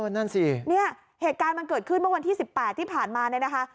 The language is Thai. นั่นสิเนี่ยเหตุการณ์มันเกิดขึ้นเมื่อวันที่๑๘ที่ผ่านมาเนี่ยนะคะ